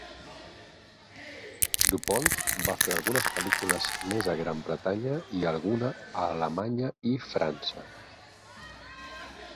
Dupont va fer algunes pel·lícules més a Gran Bretanya i alguna a Alemanya i França.